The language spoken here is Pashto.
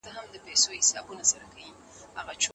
خلکو خپله انګېزه له لاسه ورکړې وه.